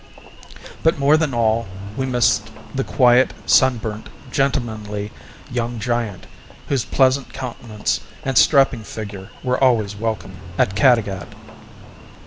But more than all, we missed the quiet, sunburnt, gentlemanly, young giant whose pleasant countenance and strapping figure were always welcome at Caddagat.